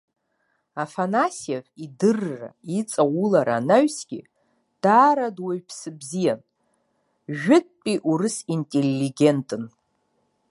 Афанасиев, идырра, иҵаулара анаҩсгьы, даара дуаҩԥсы бзиан, жәытәтәи урыс интеллигентын.